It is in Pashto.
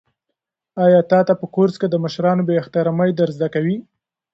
آیا تا ته په کورس کې د مشرانو بې احترامي در زده کوي؟